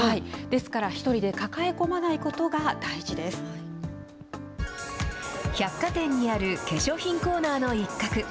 ですから一人で抱え込まない百貨店にある化粧品コーナーの一角。